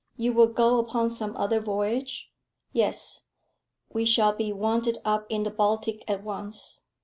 "You will go upon some other voyage?" "Yes; we shall be wanted up in the Baltic at once.